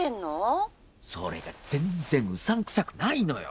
それが全然うさんくさくないのよ！